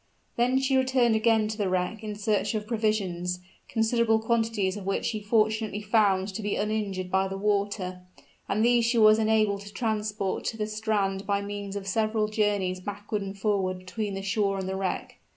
Then she returned again to the wreck in search of provisions, considerable quantities of which she fortunately found to be uninjured by the water; and these she was enabled to transport to the strand by means of several journeys backward and forward between the shore and the wreck.